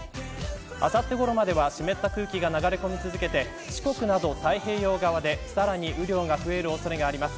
あさってごろまでは湿った空気が流れ込み続けて四国など太平洋側でさらに雨量が増える恐れがあります。